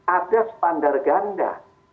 ada spandar ganda